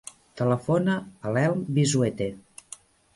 Telefona a l'Elm Vizuete.